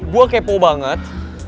gue kepo banget